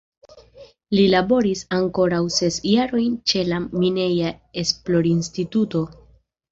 Li laboris ankoraŭ ses jarojn ĉe la Mineja Esplorinstituto.